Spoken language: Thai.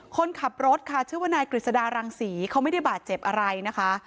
คนขับรถค่ะชื่อว่านายกฤษฎารังศรีเขาไม่ได้บาดเจ็บอะไรนะคะ